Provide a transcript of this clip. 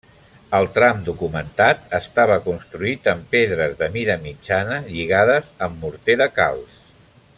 El tram documentat estava construït amb pedres de mida mitjana lligades amb morter de calç.